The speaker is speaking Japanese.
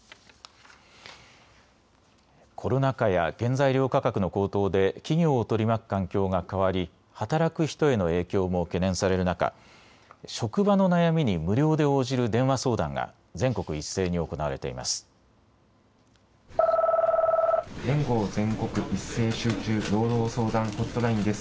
コロナ禍や原材料価格の高騰で企業を取り巻く環境が変わり働く人への影響も懸念される中、職場の悩みに無料で応じる電話相談が全国一斉に行われています。